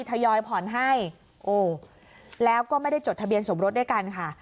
ทยอยผ่อนให้โอ้แล้วก็ไม่ได้จดทะเบียนสมรสด้วยกันค่ะ